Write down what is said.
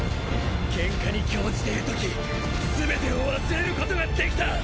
ケンカに興じているとき全てを忘れることができた！